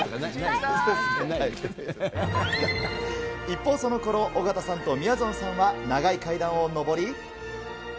一方、そのころ、尾形さんとみやぞんさんは、長い階段を上り。